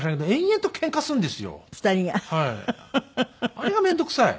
あれが面倒くさい。